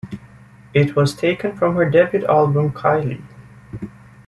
It was taken from her debut album "Kylie".